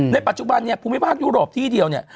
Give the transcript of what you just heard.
ปัจจุบันเนี่ยภูมิภาคยุโรปที่เดียวเนี่ย